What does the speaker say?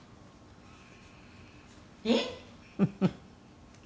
「えっ？」